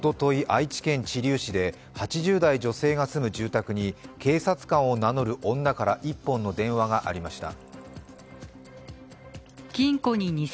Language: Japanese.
愛知県知立市で８０代女性が住む住宅に警察官を名乗る女から一本の電話がありました。